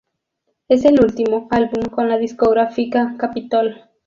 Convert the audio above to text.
Es el último álbum con la discográfica Capitol.